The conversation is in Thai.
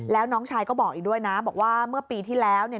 แล้วน้องชายก็บอกอีกด้วยนะบอกว่าเมื่อปีที่แล้วเนี่ย